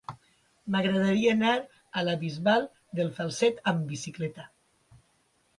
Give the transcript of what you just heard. M'agradaria anar a la Bisbal de Falset amb bicicleta.